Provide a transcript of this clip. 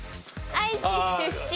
愛知出身で。